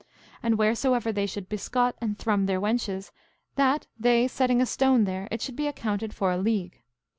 And wheresoever they should biscot and thrum their wenches, that, they setting a stone there, it should be accounted for a league.